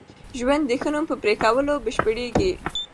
ژوند د ښه نوم په پرېښوولو بشپړېږي.